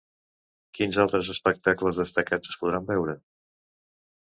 Quins altres espectacles destacats es podran veure?